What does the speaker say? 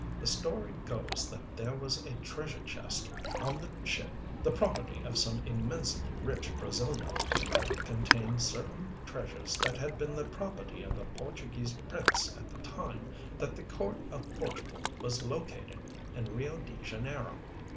The story goes that there was a treasure chest on the ship, the property of some immensely rich Brasilian, and that it contained certain treasures that had been the property of a Portuguese prince at the time that the court of Portugal was located in Rio de Janeiro.